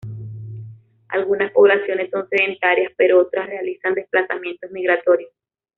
Algunas poblaciones son sedentarias, pero otras realizan desplazamientos migratorios.